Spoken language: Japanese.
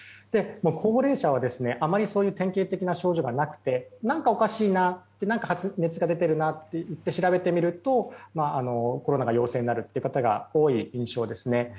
高齢者はあまり典型的な症状はなくて何かおかしいな熱が出ているなと思って調べてみるとコロナが陽性になるという方が多い印象ですね。